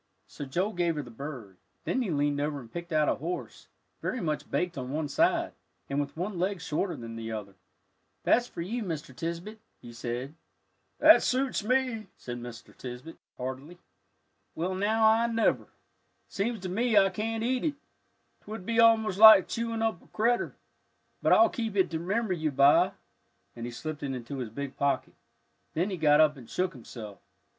So Joel gave her the bird, then he leaned over and picked out a horse, very much baked on one side, and with one leg shorter than the other "That's for you, Mr. Tisbett," he said. "That suits me," said Mr. Tisbett, heartily. "Well, now I never! Seems to me I can't eat it, 'twould be almost like chewing up a critter, but I'll keep it to remember you by," and he slipped it into his big pocket. Then he got up and shook himself.